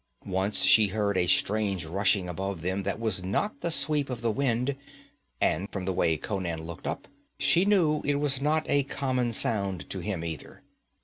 Once she heard a strange rushing above them that was not the sweep of the wind, and from the way Conan looked up, she knew it was not a common sound to him, either.